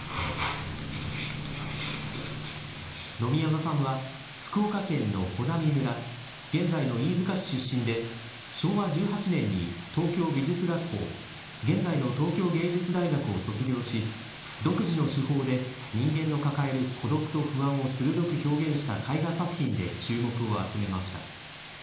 野見山さんは福岡県の穂波村、現在の飯塚市出身で、昭和１８年に東京美術学校、現在の東京芸術大学を卒業し、独自の手法で、人間の抱える孤独と不安を鋭く表現した絵画作品で注目を集めました。